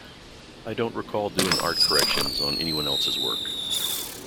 I don't recall doing art corrections on anyone else's work.